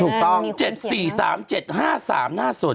ถูกต้อง๗๔๓๗๕๓หน้าสน๗๙๕๓